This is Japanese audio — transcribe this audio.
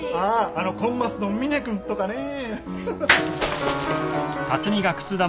あのコンマスの峰君とかねえ。